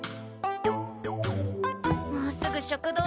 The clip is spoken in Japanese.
もうすぐ食堂だ。